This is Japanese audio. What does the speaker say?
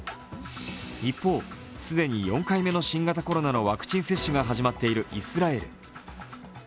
一方、既に４回目の新型コロナのワクチン接種が始まっているイスラエル。